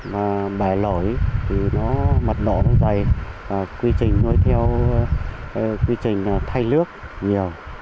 mà bẻ lỗi thì mặt nổ nó dày quy trình nuôi theo quy trình thay nước nhiều